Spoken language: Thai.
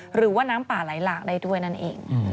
หรือว่าน้ำป่าไหลหลากได้ด้วยนั่นเอง